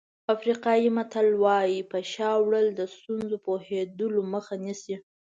افریقایي متل وایي په شا وړل د ستونزو پوهېدلو مخه نیسي.